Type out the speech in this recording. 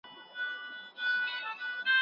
ښوونځې لوستې میندې د ماشومانو د بدن توازن ساتي.